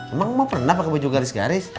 emang emang pernah pakai baju garis garis